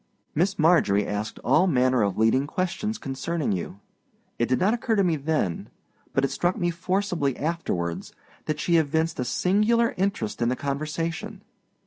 Miss Marjorie asked all manner of leading questions concerning you. It did not occur to me then, but it struck me forcibly afterwards, that she evinced a singular interest in the conversation.